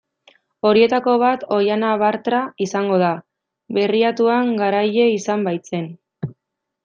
Horietako bat Oihana Bartra izango da, Berriatuan garaile izan baitzen.